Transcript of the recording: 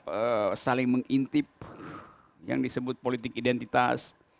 kemudian saling mengintip yang disebut politik identitas